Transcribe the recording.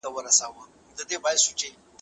په اصل کي د تعين محل نسته.